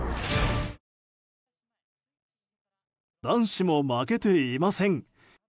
男子も負けていません。